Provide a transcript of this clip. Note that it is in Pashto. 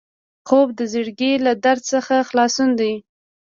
خوب د زړګي له درد څخه خلاصون دی